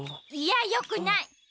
いやよくない。